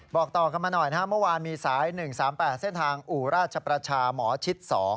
บอกต่อกันมาหน่อยนะครับเมื่อวานมีสาย๑๓๘เส้นทางอู่ราชประชาหมอชิด๒